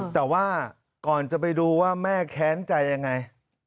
แต่ว่าก่อนจะไปดูว่าแม่แค้นใจยังไง